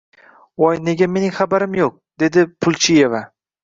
Voy, nega meningxabarim yo`q, dedi Pulchieva